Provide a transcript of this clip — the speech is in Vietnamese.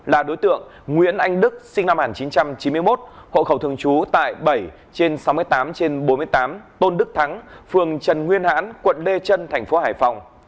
là đối tượng nguyễn anh đức sinh năm một nghìn chín trăm chín mươi một hộ khẩu thường trú tại bảy trên sáu mươi tám trên bốn mươi tám tôn đức thắng phường trần nguyên hãn quận lê trân thành phố hải phòng